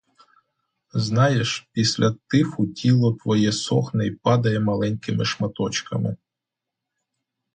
Знаєш, після тифу тіло твоє сохне й падає маленькими шматочками.